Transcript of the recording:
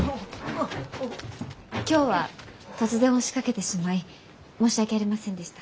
今日は突然押しかけてしまい申し訳ありませんでした。